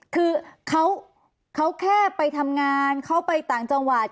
คือเขาแค่ไปทำงานเขาไปต่างจังหวัด